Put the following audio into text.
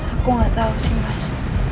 aku gak tau sih mas